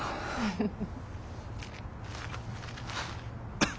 フフフ。